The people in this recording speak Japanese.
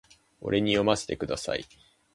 俺に読ませてください